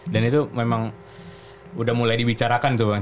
dan itu memang udah mulai dibicarakan tuh bang